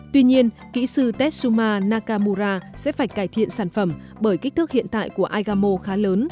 tuy nhiên kỹ sư tetsuma nakamura sẽ phải cải thiện sản phẩm bởi kích thước hiện tại của aigamo khá lớn